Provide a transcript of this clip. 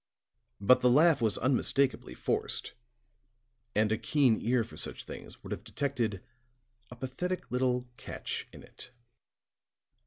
But the laugh was unmistakably forced, and a keen ear for such things would have detected a pathetic little catch in it.